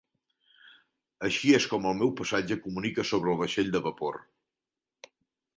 Així és com el meu passatge comunica sobre el vaixell de vapor.